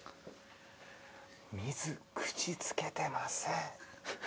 「水口つけてません」